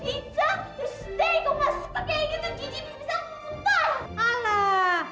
gua pas pake gitu cuci bisa muntah